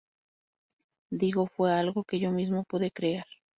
Digo, fue algo que yo mismo pude crear.